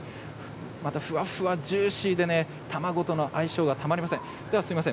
ふわふわジューシーで卵との相性が、たまりません。